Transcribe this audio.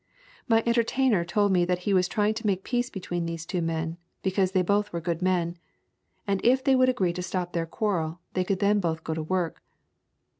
My entertainer told me that he was trying to make peace between these two men, because they both were good men, and if they would agree to stop their quarrel, they could then both go to work.